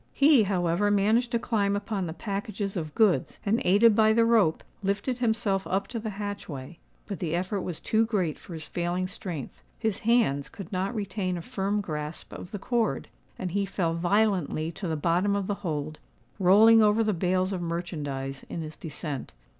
He, however managed to climb upon the packages of goods; and, aided by the rope, lifted himself up to the hatchway. But the effort was too great for his failing strength: his hands could not retain a firm grasp of the cord; and he fell violently to the bottom of the hold, rolling over the bales of merchandize in his descent.